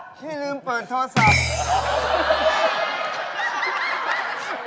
พี่ลืมเปิดโทรศัพท์